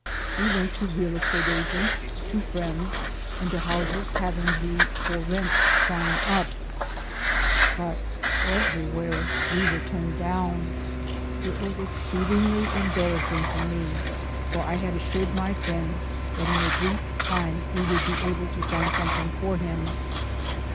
We went to real estate agents, to friends, and to houses hav 206 THE SOUL OF AN IMMIGRANT ing the "For Rent" sign up, but everywhere we were turned down. It was exceedingly embarrassing for me, for I had assured my friend that in a brief 'time we would be able to find something for him.